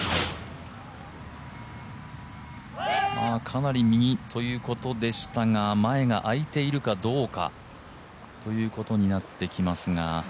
かなり右ということでしたが前があいているかどうかということになってきますが。